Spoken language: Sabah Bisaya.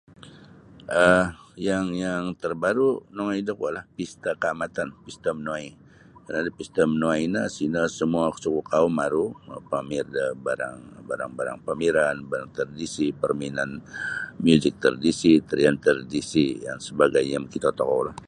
um yang yang terbaru' nongoi da kuolah pesta kaamatan pesta manuai karana da pesta manuai no sino samua suku kaum aru mapamer da barang-barang barang -barang pameran barang -barang tradisi parmainan muzik tradisi tarian tradisi dan sebagainyo yang makito tokoulah.